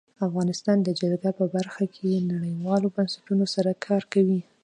افغانستان د جلګه په برخه کې نړیوالو بنسټونو سره کار کوي.